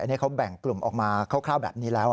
อันนี้เขาแบ่งกลุ่มออกมาคร่าวแบบนี้แล้ว